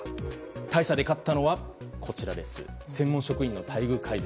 大差で勝ったのは専門職員の待遇改善。